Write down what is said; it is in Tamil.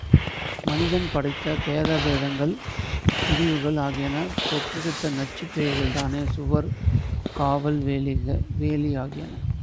மனிதன் படைத்த பேதா பேதங்கள் பிரிவுகள் ஆகியன பெற்றெடுத்த நச்சுப் பேய்கள்தானே சுவர் காவல் வேலி ஆகியன.